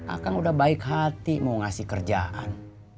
akang udah baik hati mau ngasih kerjaan